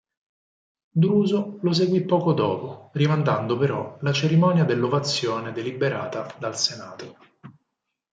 Druso lo seguì poco dopo, rimandando però la cerimonia dell'ovazione deliberata dal Senato.